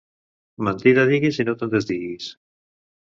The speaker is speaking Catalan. Mentida diguis i no te'n desdiguis.